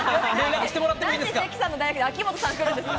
なんで関さんの代役で秋元さん、くるんですか？